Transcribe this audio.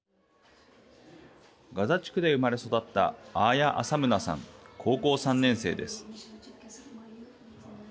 ガザ地区で生まれ育ったアーヤ・アサムナさん高校３年生です。